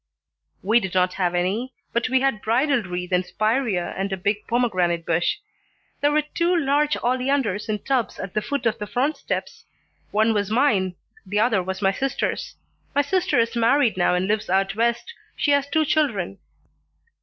"We did not have any, but we had bridal wreath and spirea and a big pomegranate bush. There were two large oleanders in tubs at the foot of the front steps. One was mine, the other was my sister's. My sister is married now and lives out West. She has two children."